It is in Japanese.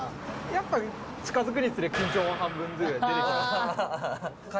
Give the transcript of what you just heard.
やっぱ近づくにつれ緊張は半分ぐらい出てきましたね。